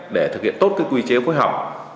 để thực hiện tốt quy chế phối hợp